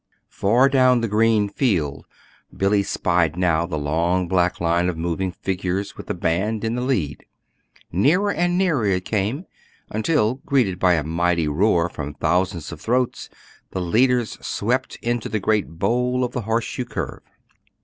Far down the green field Billy spied now the long black line of moving figures with a band in the lead. Nearer and nearer it came until, greeted by a mighty roar from thousands of throats, the leaders swept into the great bowl of the horseshoe curve.